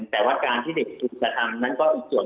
แต่ว่าการที่เด็กถูกกระทำนั้นก็อีกส่วน